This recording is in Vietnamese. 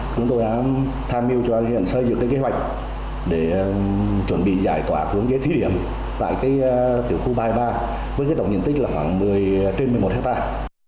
chúng tôi đã tham mưu cho huyện xây dựng kế hoạch để chuẩn bị giải tỏa cuốn kế thí điểm tại tiểu khu ba mươi ba với tổng nhiên tích khoảng một mươi trên một mươi một hectare